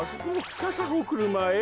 さあさあおくるまへ。